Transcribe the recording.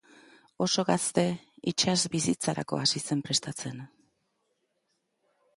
Oso gazte itsas bizitzarako hasi zen prestatzen.